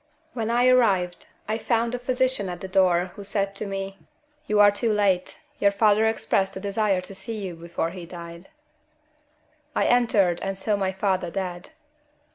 When I arrived, I found a physician at the door who said to me: "You are too late; your father expressed a desire to see you before he died." I entered and saw my father dead.